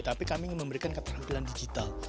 tapi kami ingin memberikan keterampilan digital